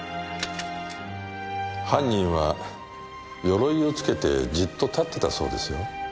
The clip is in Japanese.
犯人は鎧をつけてジッと立ってたそうですよ。